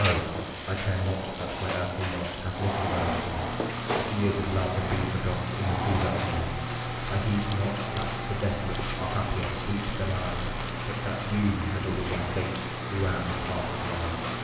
I care not that my earthly lot Hath little of Earth in it, That years of love have been forgot In the fever of a minute: I heed not that the desolate Are happier, sweet, than I, But that you meddle with my fate Who am a passer by.